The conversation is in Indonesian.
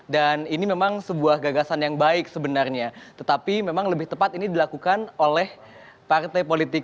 dan ini memang sebuah gagasan yang baik sebenarnya tetapi memang lebih tepat ini dilakukan oleh partai politik